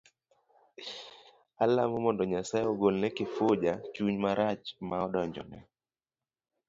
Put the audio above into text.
Alamo mondo Nyasaye ogol ne Kifuja chuny marach ma odonjone.